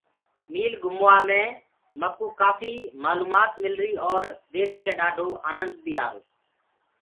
ميٚل گھُموآ مي مڪوُ ڪآڦي مآلومآت مِلر اور ديک ڪي ڏآڊو آنند بي آرو۔